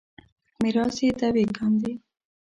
په میراث یې دعوې کاندي.